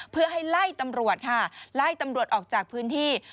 เพื่อให้ไล่ตำรวจค่ะไล่ตำรวจออกจากพื้นที่